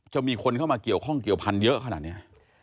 จะมีคนเข้ามาเกี่ยวข้องเกี่ยวพันธุ์เยอะขนาดนี้